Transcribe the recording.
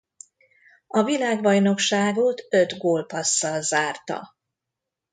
A világbajnokságot öt gólpasszal zárta.